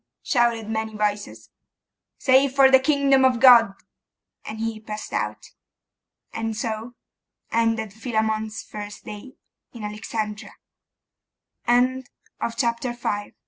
shouted many voices. 'Say for the kingdom of God.' And he passed out. And so ended Philammon's first day in Alexandria. CHAPTER V